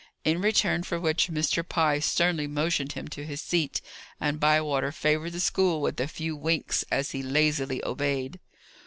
In return for which Mr. Pye sternly motioned him to his seat, and Bywater favoured the school with a few winks as he lazily obeyed.